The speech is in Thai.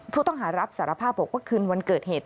ผู้ต้องหารับสารภาพบอกว่าคืนวันเกิดเหตุ